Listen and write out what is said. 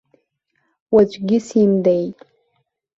Уаҵәгьы сеимдеит.